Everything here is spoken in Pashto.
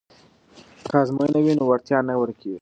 که ازموینه وي نو وړتیا نه ورکیږي.